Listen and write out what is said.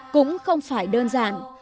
cũng không phải đơn giản